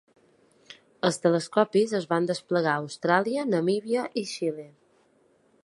Els telescopis es van desplegar a Austràlia, Namíbia i Xile.